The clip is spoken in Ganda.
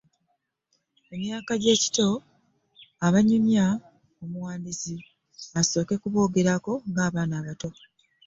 Emyaka egy’ekito, abanyumya omuwandiisi asooka kuboogerako ng’abaana abato.